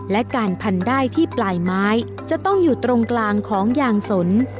และการพันได้ที่ปลายไม้จะต้องอยู่ตรงกลางของยางสน